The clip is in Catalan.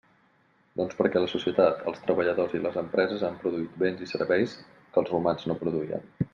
Doncs perquè la societat, els treballadors i les empreses, han produït béns i serveis que els romans no produïen.